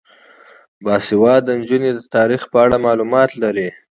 باسواده نجونې د تاریخ په اړه معلومات لري.